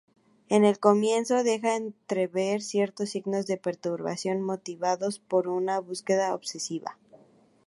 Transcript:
En el comienzo deja entrever ciertos signos de perturbación motivados por una búsqueda obsesiva.